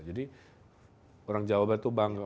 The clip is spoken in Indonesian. jadi orang jawa itu bangga